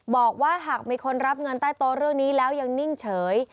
บอกว่าหากมีคนรับเงินใต้โต๊ะเรื่องนี้แล้วยังนิ่งเฉย